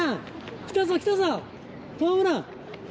来たぞ、来たぞ、ホームラン。